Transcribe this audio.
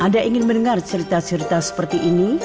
ada ingin mendengar cerita cerita seperti ini